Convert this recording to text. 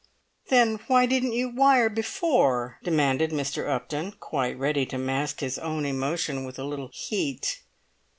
"Then why didn't you wire before?" demanded Mr. Upton, quite ready to mask his own emotion with a little heat.